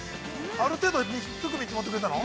◆ある程度、低く見積もってくれたの？